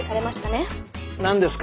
何ですか？